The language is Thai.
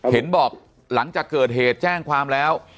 เห็นบอกหลังจากเกิดเหตุแจ้งความแล้ว